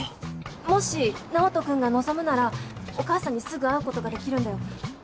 もし直人君が望むならお母さんにすぐ会うことができるんだよ。